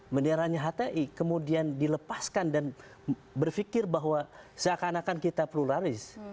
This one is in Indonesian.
benderanya hti kemudian dilepaskan dan berpikir bahwa seakan akan kita pluralis